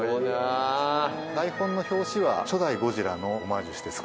台本の表紙は初代『ゴジラ』のオマージュして作った。